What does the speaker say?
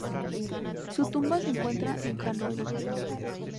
Su tumba se encuentra en Hanói.